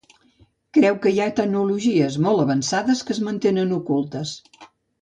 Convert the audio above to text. Creu que hi ha tecnologies molt avançades que es mantenen ocultes.